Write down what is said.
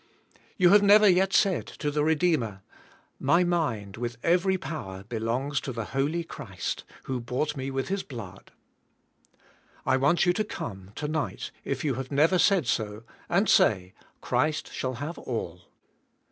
You have never yet said to the Redeemer, "My ^20 TH^ SPIRITUAL LIF:^. mind, with every power, belong s to the Holy Christ, who bought me with His blood." I want you to come, to nig ht, if you have never said so, and say, * 'Christ shall have all."